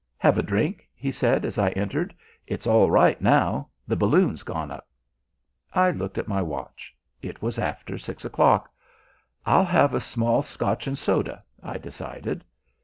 "Have a drink?" he said, as I entered. "It's all right now. The balloon's gone up." I looked at my watch. It was after six o'clock. "I'll have a small Scotch and soda," I decided.